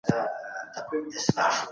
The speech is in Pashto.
زه باید منډه ووهم.